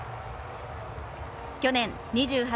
去年２８